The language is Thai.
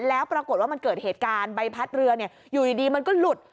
แล้วปรากฏว่ามันเกิดเหตุการณ์ใบพัดเรืออยู่ดีมันก็หลุด